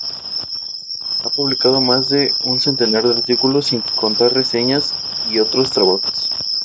Ha publicado más de un centenar de artículos, sin contar reseñas y otros trabajos.